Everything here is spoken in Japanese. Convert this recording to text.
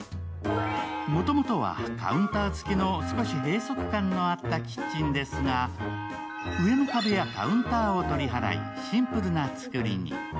もともとはカウンター付きの少し閉塞感のあったキッチンですが、上の壁やカウンターを取り払い、シンプルな造りに。